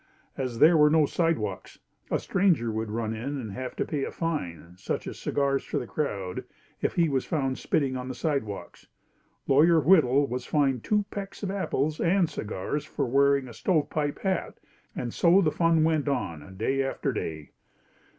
As there were no sidewalks, a stranger would be run in and have to pay a fine, such as cigars for the crowd, if he was found spitting on the sidewalks. Lawyer Whittle was fined two pecks of apples and cigars for wearing a stovepipe hat and so the fun went on, day after day.